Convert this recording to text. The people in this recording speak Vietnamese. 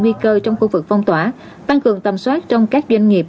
nguy cơ trong khu vực phong tỏa tăng cường tầm soát trong các doanh nghiệp